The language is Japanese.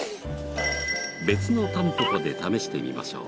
別のタンポポで試してみましょう。